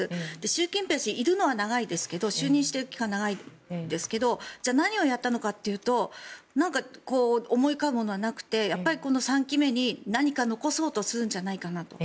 習近平氏、いるのは長いですが就任している期間は長いですけどじゃあ、何をやったのかというと思い浮かぶものはなくて３期目に何か残そうとするんじゃないかなと。